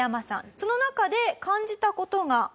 その中で感じた事が。